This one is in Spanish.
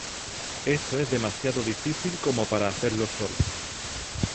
Esto es demasiado difícil como para hacerlo solo.